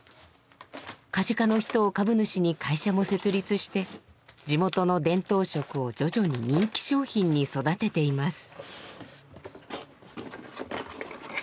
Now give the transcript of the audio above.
梶賀の人を株主に会社も設立して地元の伝統食を徐々に人気商品に育てています。